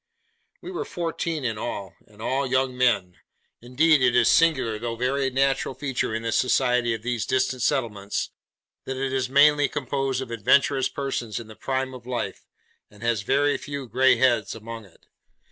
We were fourteen in all, and all young men: indeed it is a singular though very natural feature in the society of these distant settlements, that it is mainly composed of adventurous persons in the prime of life, and has very few grey heads among it.